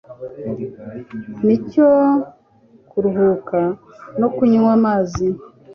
n’icyo kuruhuka, no kunywa amazi.